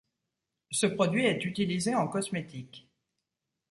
Ce produit est utilisé en cosmétique.